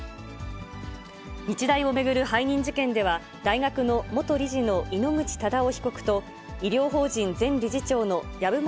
日大を巡る背任事件では大学の元理事の井ノ口忠男被告と、医療法人前理事長の籔本